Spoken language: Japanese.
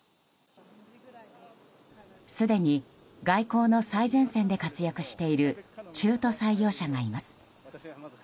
すでに外交の最前線で活躍している中途採用者がいます。